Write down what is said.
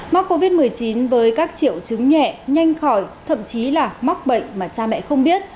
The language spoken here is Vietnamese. mắc covid một mươi chín với các triệu chứng nhẹ nhanh khỏi thậm chí là mắc bệnh mà cha mẹ không biết